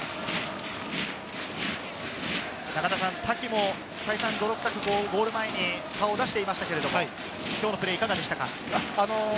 瀧も再三、泥臭くゴール前に顔を出していましたけど今日のプレー、いかがでしたか？